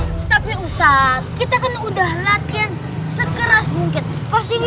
tapi ustadz kita kan udah latihan sekeras mungkin